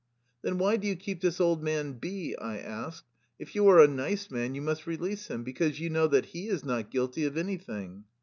" Then why do you keep this old man В ?" I asked. " If you are a nice man, you must re lease him, because you know that he is not guilty of anything."